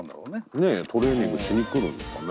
ねえトレーニングしに来るんですかね。